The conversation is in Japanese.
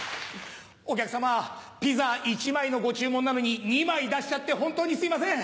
お客様ピザ１枚のご注文なのに２枚出しちゃって本当にすいません。